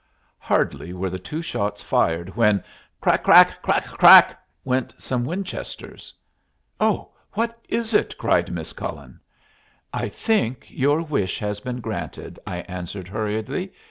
Hardly were the two shots fired when "crack! crack! crack! crack!" went some Winchesters. "Oh! what is it?" cried Miss Cullen. "I think your wish has been granted," I answered hurriedly.